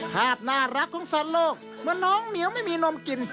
ภาพน่ารักของสัตว์โลกเมื่อน้องเหนียวไม่มีนมกิน